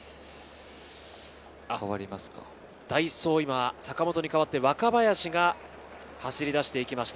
代走、坂本に代わって若林が走りだしていきました。